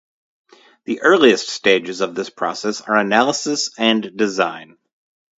The earliest stages of this process are analysis and design.